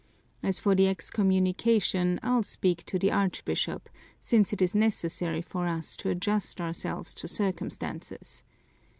As for the excommunication, I'll speak to the Archbishop, since it is necessary for us to adjust ourselves to circumstances.